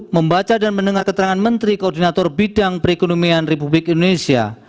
membaca dan mendengar keterangan menteri koordinator bidang perekonomian republik indonesia